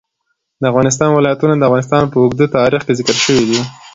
د افغانستان ولايتونه د افغانستان په اوږده تاریخ کې ذکر شوی دی.